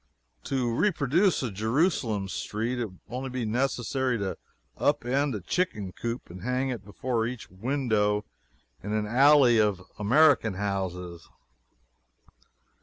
To reproduce a Jerusalem street, it would only be necessary to up end a chicken coop and hang it before each window in an alley of American houses.